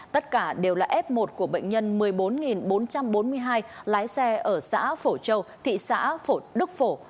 tất cả đều là f một của bệnh nhân một mươi bốn bốn trăm bốn mươi hai lái xe ở xã phổ châu thị xã phổ đức phổ